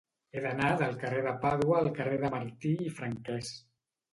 He d'anar del carrer de Pàdua al carrer de Martí i Franquès.